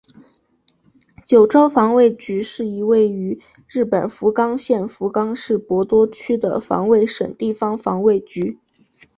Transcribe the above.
九州防卫局是一位于日本福冈县福冈市博多区的防卫省地方防卫局。